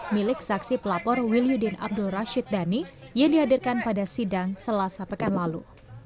milik saksi pelapor wil yudin abdul rashid dhani yang dihadirkan pada sidang selasa pekan lalu